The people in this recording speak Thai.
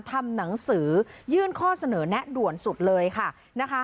ทำหนังสือยื่นข้อเสนอแนะด่วนสุดเลยค่ะนะคะ